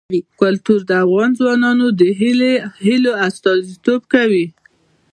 کلتور د افغان ځوانانو د هیلو استازیتوب کوي.